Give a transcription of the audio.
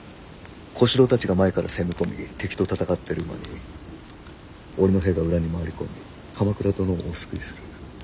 小四郎たちが前から攻め込み敵と戦ってる間に俺の兵が裏に回り込み鎌倉殿をお救いする。